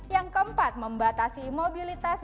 yang keempat membatasi mobilitas